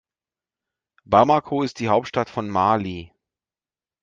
Bamako ist die Hauptstadt von Mali.